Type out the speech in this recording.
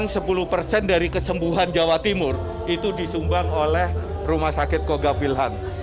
delapan sampai sepuluh persen dari kesembuhan jawa timur itu disumbang oleh rumah sakit kogab wilhan